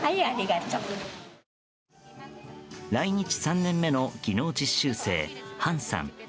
来日３年目の技能実習生ハンさん。